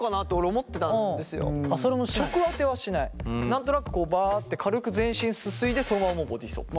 直当てはしない何となくこうバッて軽く全身すすいでそのままもうボディーソープ。